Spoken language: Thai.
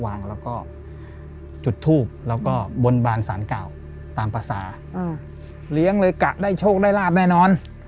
แล้วก็จุดทูบแล้วก็บนบานสารเก่าตามภาษาเลี้ยงเลยกะได้โชคได้ลาบแน่นอน